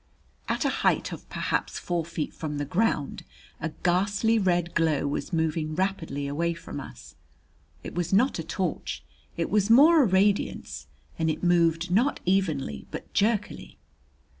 At a height of perhaps four feet from the ground a ghastly red glow was moving rapidly away from us. It was not a torch; it was more a radiance, and it moved not evenly, but jerkily.